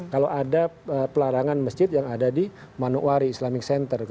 kalau ada pelarangan masjid yang ada di manokwari islamic center